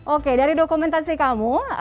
oke dari dokumentasi kamu